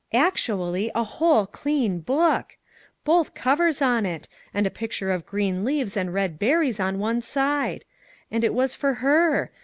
Actually, a whole clean book! Both covers on it, and a picture of green leaves and red berries on one side. And it was for her